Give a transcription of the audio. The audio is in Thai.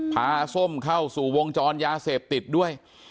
ส้มเข้าสู่วงจรยาเสพติดด้วย